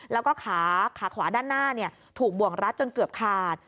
แล้วก็ขาขาขวาด้านหน้าถูกบ่วงรัดจนเกือบขาด